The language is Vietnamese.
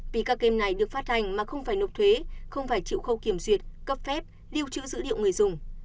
vì các game này được phát hành mà không phải nộp thuế không phải chịu khâu kiểm duyệt cấp phép lưu trữ dữ liệu người dùng